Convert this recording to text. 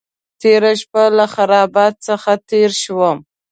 تېره شپه له خرابات څخه تېر شوم.